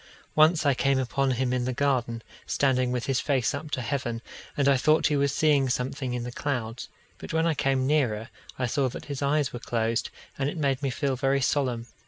Once I came upon him in the garden, standing with his face up to heaven, and I thought he was seeing something in the clouds; but when I came nearer, I saw that his eyes were closed, and it made me feel very solemn.